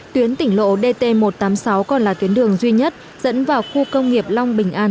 tuyến tỉnh lộ dt một trăm tám mươi sáu còn là tuyến đường duy nhất dẫn vào khu công nghiệp long bình an